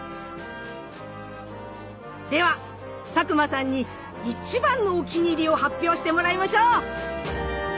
では佐久間さんに一番のお気に入りを発表してもらいましょう！